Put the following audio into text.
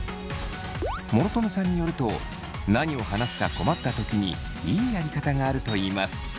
諸富さんによると何を話すか困った時にいいやり方があるといいます。